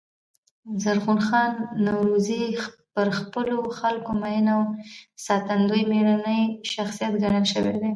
زرغون خان نورزي پر خپلو خلکو مین او ساتندوی مېړنی شخصیت ګڼل سوی دﺉ.